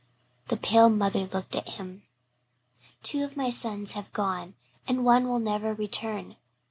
The pale mother looked at him. "Two of my sons have gone and one will never return.